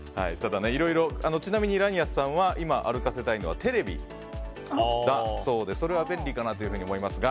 ちなみにｌａｎｉｕｓさんが今動かせたいのはテレビだそうでそれは便利かと思いますが